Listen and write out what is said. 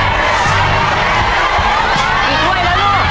ไปก่อนลูก